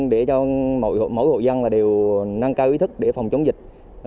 để cho mỗi hộ dân đều nâng cao ý thức để phòng chống dịch